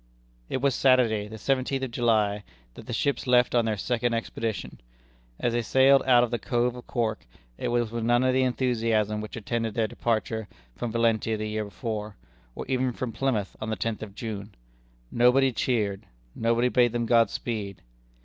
It was Saturday, the seventeenth of July, that the ships left on their second expedition. As they sailed out of the Cove of Cork, it was with none of the enthusiasm which attended their departure from Valentia the year before, or even from Plymouth on the tenth of June. Nobody cheered; nobody bade them God speed.